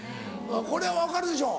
これ分かるでしょ？